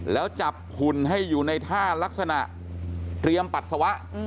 แล้วจับหุ่นให้อยู่ในท่ารักษณะเตรียมปัสสาวะ